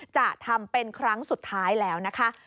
จะทำเป็นครั้งสุดท้ายแล้วนะคะ